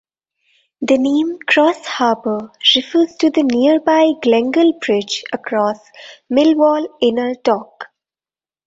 The name "Crossharbour" refers to the nearby Glengall Bridge across Millwall Inner Dock.